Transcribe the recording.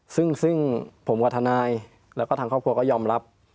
ซึ่งผมกับทนายแล้วก็ทางครอบครัวก็ยอมรับ